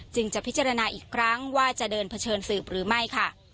จะพิจารณาอีกครั้งว่าจะเดินเผชิญสืบหรือไม่ค่ะ